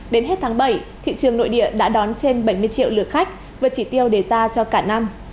đến hết tháng bảy thị trường nội địa đã đón trên bảy mươi triệu lượt khách vượt chỉ tiêu đề ra cho cả năm